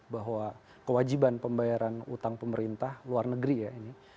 bahwa kewajiban pembayaran utang pemerintah luar negeri ya ini